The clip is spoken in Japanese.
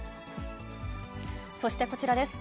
そしてこちらです。